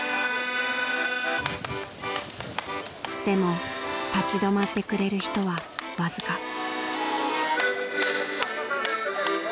［でも立ち止まってくれる人はわずか］